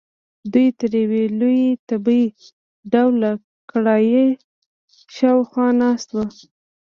دوی تر یوې لویې تبۍ ډوله کړایۍ شاخوا ناست وو.